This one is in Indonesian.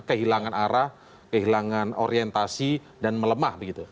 kehilangan arah kehilangan orientasi dan melemah begitu